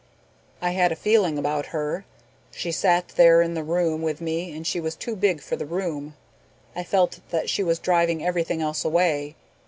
"I had a feeling about her. She sat there in the room with me and she was too big for the room. I felt that she was driving everything else away.